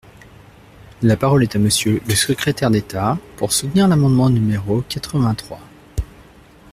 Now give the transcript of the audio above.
La parole est à Monsieur le secrétaire d’État, pour soutenir l’amendement numéro quatre-vingt-trois.